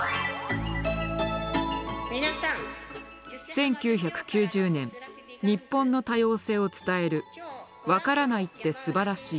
１９９０年日本の多様性を伝える「わからないって素晴らしい」。